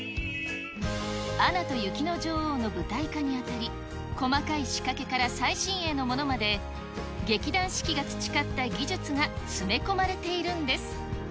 アナと雪の女王の舞台化にあたり、細かい仕掛けから最新鋭のものまで、劇団四季が培った技術が詰め込まれているんです。